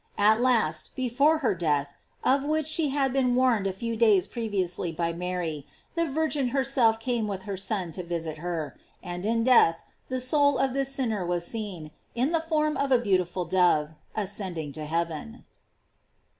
At last, before her death, of which she had been warned a few days previously by Mary, the Virgin herself came with her Son to visit her; and in death, the soul of this sinner was seen, in the form of a beautiful dove, ascending to heaven.